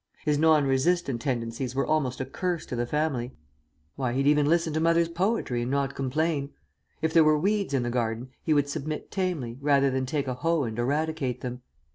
His non resistant tendencies were almost a curse to the family. Why, he'd even listen to mother's poetry and not complain. If there were weeds in the garden, he would submit tamely, rather than take a hoe and eradicate them.